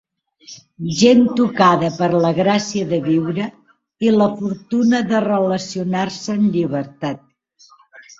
Gent tocada per la gràcia de viure i la fortuna de relacionar-se en llibertat.